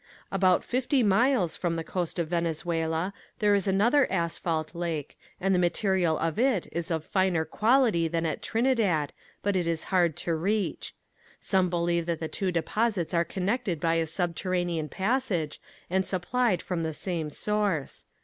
About fifty miles from the coast in Venezuela there is another asphalt lake and the material in it is of finer quality than at Trinidad, but it is hard to reach. Some believe that the two deposits are connected by a subterranean passage and supplied from the same source.